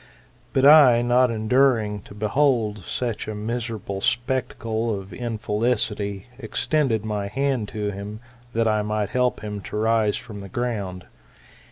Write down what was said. But I, not enduring to behold such a miserable spectacle of infelicity, extended my hand to him, that I might help him to rise from the ground.